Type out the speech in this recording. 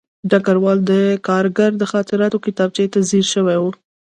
ډګروال د کارګر د خاطراتو کتابچې ته ځیر شوی و